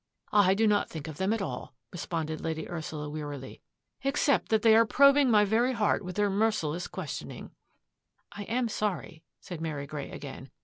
" I do not think of them at all," responded Lady Ursula wearily, " except that they are prob ing my very heart with their merciless question ing." " I am sorry," said Mary Grey again.